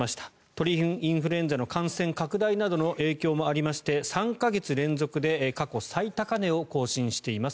鳥インフルエンザの感染拡大などの影響もありまして３か月連続で過去最高値を更新しています。